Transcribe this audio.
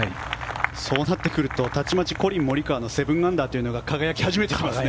そうなってくるとたちまちコリン・モリカワの７アンダーが輝き始めますね。